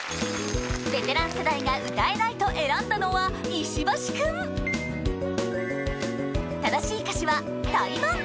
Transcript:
ベテラン世代が歌えないと選んだのは正しい歌詞は「タイマン」